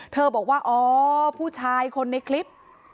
บอกว่าอ๋อผู้ชายคนในคลิป